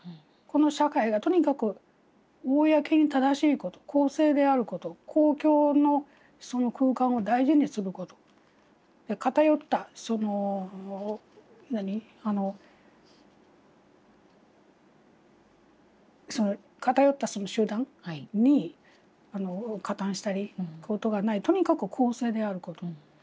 この社会がとにかく公に正しいこと公正であること公共の空間を大事にすること偏ったその偏ったその集団に加担したりすることがないとにかく公正であること。